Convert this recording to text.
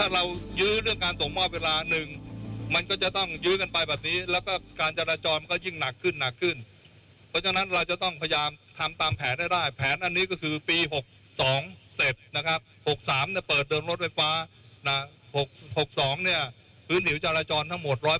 หื้นผิวจารจรทั้งหมดร้อยเปอร์เซ็นต์คืนให้หมด